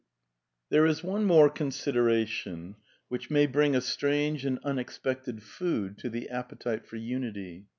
There is one more consideration which may bring a strange and unexpected food to the appetite for unity.